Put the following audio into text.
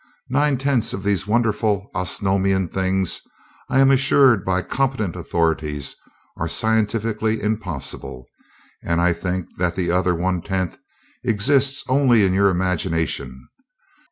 Nine tenths of these wonderful Osnomian things, I am assured by competent authorities, are scientifically impossible, and I think that the other one tenth exists only in your own imagination.